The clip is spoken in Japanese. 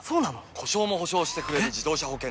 故障も補償してくれる自動車保険といえば？